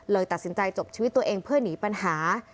ตัดสินใจจบชีวิตตัวเองเพื่อหนีปัญหา